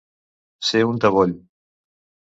Ser un taboll.